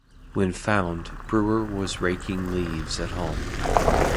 When found, Brewer was raking leaves at home.